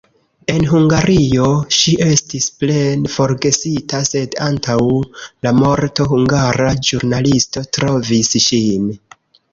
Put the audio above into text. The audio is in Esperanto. En Hungario ŝi estis plene forgesita, sed antaŭ la morto hungara ĵurnalisto trovis ŝin.